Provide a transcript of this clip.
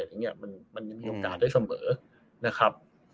มันมีโอกาสได้เสมอนะครับ